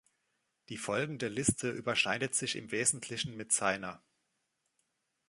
Die folgende Liste überschneidet sich im Wesentlichen mit seiner.